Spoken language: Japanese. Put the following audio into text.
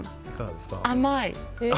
甘い。